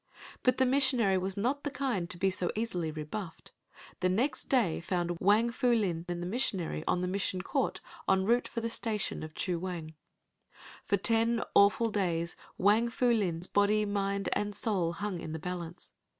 But the missionary was not the kind to be so easily rebuffed. The next day found Wang Pu Lin and the missionary on the Mission court en route for the station of Chu Wang. For ten awful days Wang Pu Lin's body, mind and soul hung in the balance.